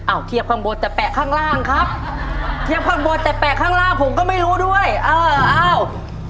เอาเทียบข้างบนแต่แปะข้างล่างครับเทียบข้างบนแต่แปะข้างล่างผมก็ไม่รู้ด้วยเอออ้าว